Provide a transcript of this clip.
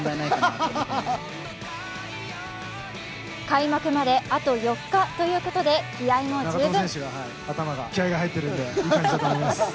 開幕まであと４日ということで気合いも十分。